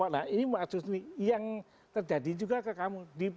nah ini maksud yang terjadi juga ke kamu